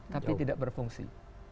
tapi tidak berfungsi